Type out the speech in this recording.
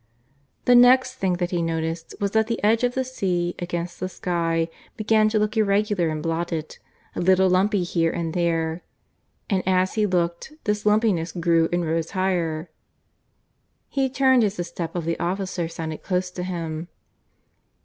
The next thing that he noticed was that the edge of the sea against the sky began to look irregular and blotted, a little lumpy here and there, and as he looked this lumpiness grew and rose higher. He turned as the step of the officer sounded close to him.